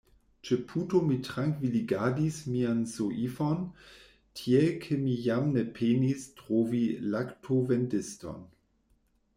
Ĉe puto mi trankviligadis mian soifon, tiel ke mi jam ne penis trovi laktovendiston.